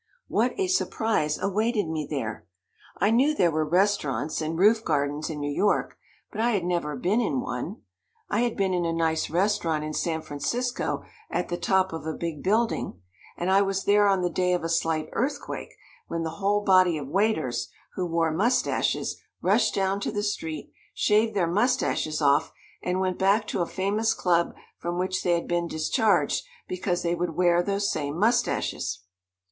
What a surprise awaited me there. I knew there were restaurants and roof gardens in New York, but I had never been in one. I had been in a nice restaurant in San Francisco at the top of a big building, and I was there on the day of a slight earthquake when the whole body of waiters, who wore mustaches, rushed down to the street, shaved their mustaches off, and went back to a famous club from which they had been discharged because they would wear those same mustaches.